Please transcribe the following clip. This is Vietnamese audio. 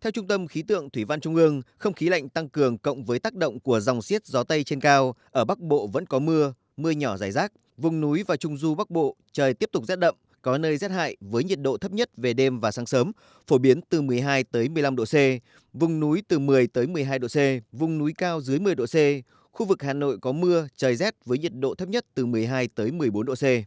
theo trung tâm khí tượng thủy văn trung ương không khí lạnh tăng cường cộng với tác động của dòng xiết gió tây trên cao ở bắc bộ vẫn có mưa mưa nhỏ dài rác vùng núi và trung du bắc bộ trời tiếp tục rét đậm có nơi rét hại với nhiệt độ thấp nhất về đêm và sáng sớm phổ biến từ một mươi hai một mươi năm độ c vùng núi từ một mươi một mươi hai độ c vùng núi cao dưới một mươi độ c khu vực hà nội có mưa trời rét với nhiệt độ thấp nhất từ một mươi hai một mươi bốn độ c